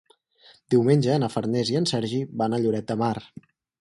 Diumenge na Farners i en Sergi van a Lloret de Mar.